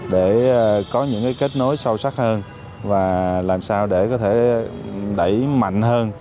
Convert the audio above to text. để có những kết nối sâu sắc hơn và làm sao để có thể đẩy mạnh hơn